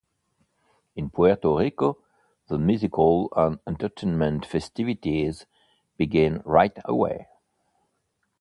In Puerto Rico, the musical and entertainment festivities begin right away.